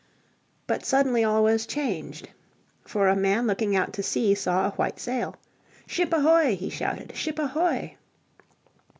But suddenly all was changed, for a man looking out to sea saw a white sail. "Ship ahoy!" he shouted, "ship ahoy!"